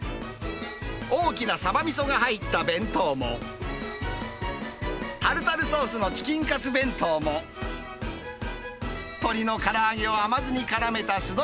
大きなサバみそが入った弁当も、タルタルソースのチキンカツ弁当も、鶏のから揚げを甘酢にからめた酢鶏